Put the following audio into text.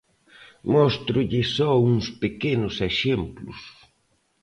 Móstrolle só uns pequenos exemplos.